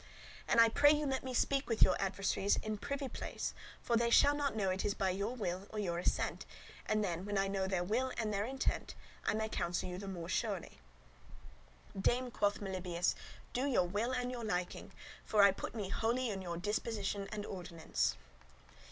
And I pray you let me speak with your adversaries in privy place, for they shall not know it is by your will or your assent; and then, when I know their will and their intent, I may counsel you the more surely." '"Dame," quoth Melibœus, '"do your will and your liking, for I put me wholly in your disposition and ordinance."